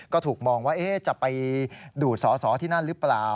ก็ถูกมองว่าจะไปดูดสอสอที่นั่นหรือเปล่า